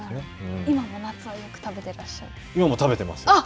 今も夏はよく食べていらっしゃ今も食べてます。